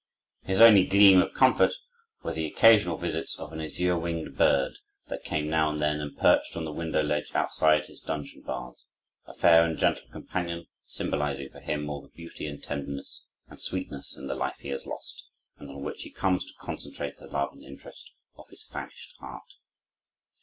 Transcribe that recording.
His only gleam of comfort were the occasional visits of an azure winged bird that came now and then and perched on the window ledge outside his dungeon bars, a fair and gentle companion symbolizing for him all the beauty and tenderness and sweetness in the life he has lost; and on which he comes to concentrate the love and interest of his famished heart.